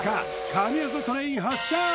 神業トレイン発車！